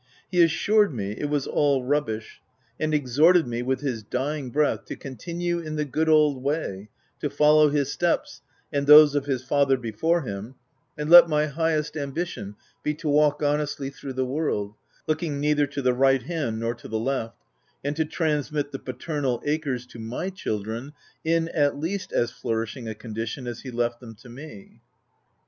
He assured me it was all rubbish, and exhorted me, with his dying breath, to continue in the good old way, to follow his steps, and those of his father before him, and let my highest ambition be, to walk honestly through the world, looking neither to the right hand nor to the left, and to transmit the paternal acres to my children in, at least, as flourishing a condition as he left them to me.